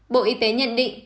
bộ y tế nhận định